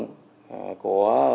của lực lượng dân phòng